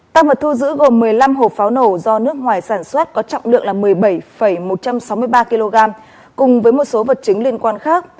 tăng vật thu giữ gồm một mươi năm hộp pháo nổ do nước ngoài sản xuất có trọng lượng là một mươi bảy một trăm sáu mươi ba kg cùng với một số vật chứng liên quan khác